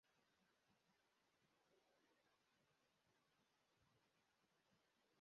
Indege yera ya British Airways yera ku kibuga cyindege